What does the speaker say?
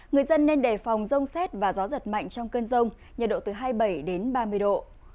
người dân nên đề phòng rông xét và gió giật mạnh trong cơn rông nhiệt độ từ hai mươi bảy đến ba mươi độ